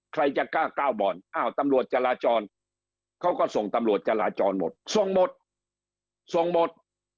ใครจะกล้าก้าวบ่อนอ้าวตำรวจจราจรเขาก็ส่งตำรวจจราจรหมดส่งหมดส่งหมด